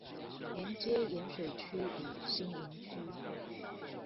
連接鹽水區與新營區